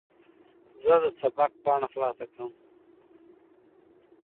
زه د سبق پاڼه خلاصه کړم.